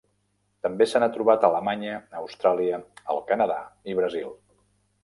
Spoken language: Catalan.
També se n'ha trobat a Alemanya, Austràlia, el Canadà i Brasil.